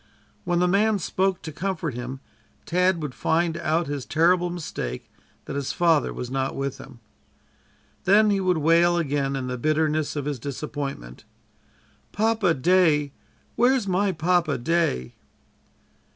When the man spoke to comfort him, Tad would find out his terrible mistake, that his father was not with him. Then he would wail again in the bitterness of his disappointment: "Papa day, where's my Papa day?"